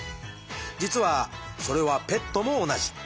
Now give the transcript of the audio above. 実はそれはペットも同じ。